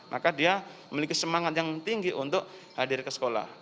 maka dia memiliki semangat yang tinggi untuk hadir ke sekolah